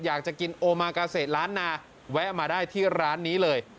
อยากจะกินโอมากาเศษล้านนาแวะมาได้ที่ร้านนี้เลย